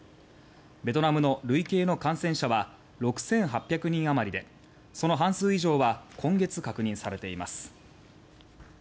ベトナムの累計の感染者は６８００人余りでその半数以上は今月確認されています。